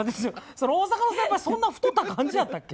それ大阪の先輩そんな太った感じやったっけ？